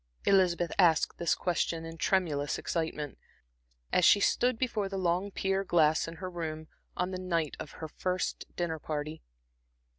Elizabeth asked this question in tremulous excitement, as she stood before the long pier glass in her room on the night of her first dinner party.